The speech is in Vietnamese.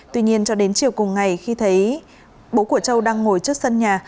tuy nhiên cho đến chiều cùng ngày khi thấy bố của châu đang ngồi trước sân nhà